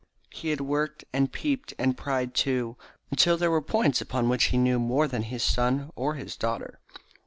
He had worked, and peeped, and pried, too, until there were points upon which he knew more than either his son or his daughter.